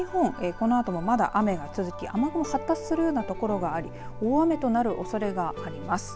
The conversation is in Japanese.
このあともまだ雨が続き雨雲発達するようなところがあり大雨となるおそれがあります。